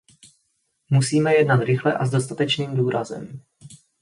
Musíme jednat rychle a s dostatečným důrazem.